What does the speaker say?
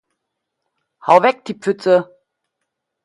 Hau weg die Pfütze.